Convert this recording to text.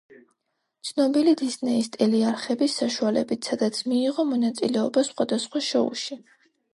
ცნობილი დისნეის ტელეარხების საშუალებით, სადაც მიიღო მონაწილეობა სხვადასხვა შოუში.